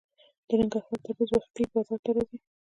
د ننګرهار تربوز وختي بازار ته راځي.